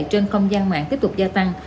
trên không gian mạng tiếp tục gia tăng